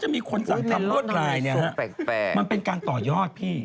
มันเป็นการต่อยอดพี่